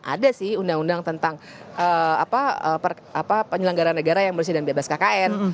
ada sih undang undang tentang penyelenggara negara yang bersih dan bebas kkn